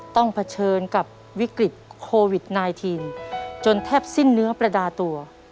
เผชิญกับวิกฤตโควิด๑๙จนแทบสิ้นเนื้อประดาตัว